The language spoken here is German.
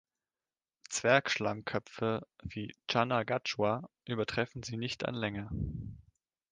Zwerg-Schlangenköpfe, wie „Channa gachua“, übertreffen sie nicht an Länge.